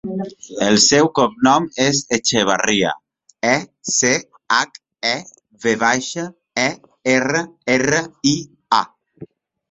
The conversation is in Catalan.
El seu cognom és Echeverria: e, ce, hac, e, ve baixa, e, erra, erra, i, a.